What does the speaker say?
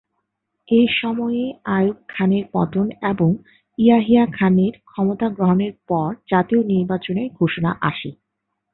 এ সময়ে আইয়ুব খানের পতন এবং ইয়াহিয়া খানের ক্ষমতা গ্রহণের পর জাতীয় নির্বাচনের ঘোষণা আসে।